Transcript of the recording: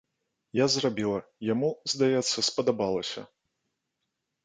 Я зрабіла, яму, здаецца, спадабалася.